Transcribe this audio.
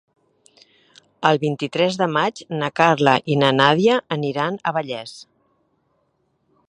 El vint-i-tres de maig na Carla i na Nàdia aniran a Vallés.